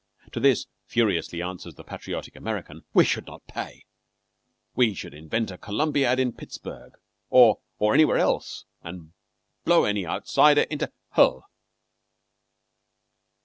To this furiously answers the patriotic American: "We should not pay. We should invent a Columbiad in Pittsburg or or anywhere else, and blow any outsider into h l."